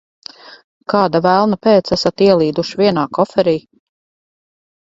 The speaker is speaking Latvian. Kāda velna pēc esat ielīduši vienā koferī?